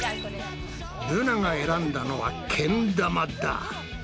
ルナが選んだのはけん玉だ。